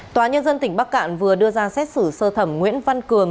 tòa nhân dân tỉnh bắc cạn vừa đưa ra xét xử sơ thẩm nguyễn văn cường